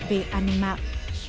về an ninh mạng